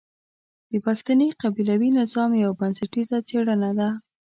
د پښتني قبيلوي نظام يوه بنسټيزه څېړنه ده.